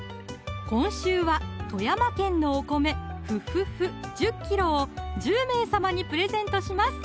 今週は富山県のお米「富富富」１０ｋｇを１０名様にプレゼントします